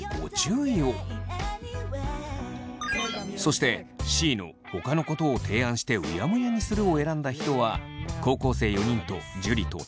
そしてＣの「他のことを提案してうやむやにする」を選んだ人は高校生４人と樹と大我。